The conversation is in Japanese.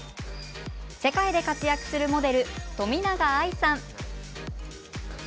世界で活躍するモデル冨永愛さん。